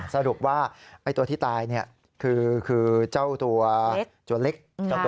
สรุปว่าตัวที่ตายคือเจ้าตัวเล็ก